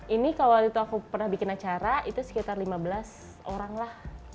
ini kalau itu aku pernah bikin acara itu sekitar lima belas orang lah